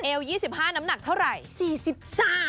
๒๕น้ำหนักเท่าไหร่